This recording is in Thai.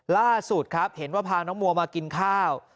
ล่าสุดครับเห็นว่าพาน้องมัวมากินข้าว